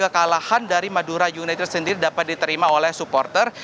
kekalahan dari madura united sendiri dapat diterima oleh supporter